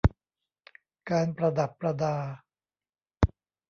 การประดับประดา